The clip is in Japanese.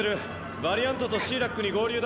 ヴァリアントとシーラックに合流だ。